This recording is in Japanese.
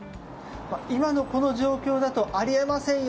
今のこの状況だとあり得ませんよ